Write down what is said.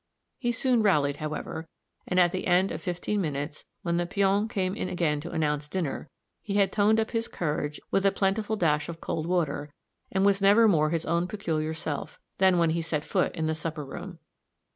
He soon rallied, however, and at the end of fifteen minutes, when the peon came in again to announce supper, he had toned up his courage with a plentiful dash of cold water, and was never more his own peculiar self, than when he set foot in the supper room.